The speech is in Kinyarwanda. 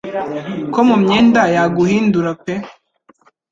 Ko mu myenda yaguhindura pe